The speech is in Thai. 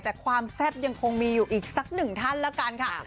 แต่ความแซ่บยังคงมีอยู่อีกสักหนึ่งท่านแล้วกันค่ะ